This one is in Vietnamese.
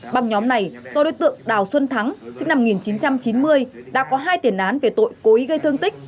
băng nhóm này do đối tượng đào xuân thắng sinh năm một nghìn chín trăm chín mươi đã có hai tiền án về tội cố ý gây thương tích